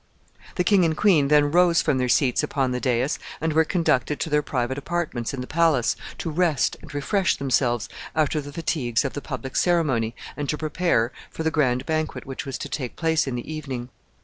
The king and queen then rose from their seats upon the dais, and were conducted to their private apartments in the palace, to rest and refresh themselves after the fatigues of the public ceremony, and to prepare for the grand banquet which was to take place in the evening.